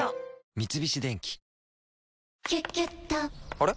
あれ？